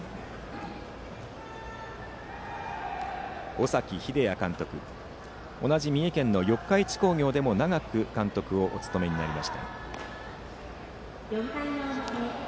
尾崎英也監督は同じ三重県の四日市工業でも長く監督をお務めになりました。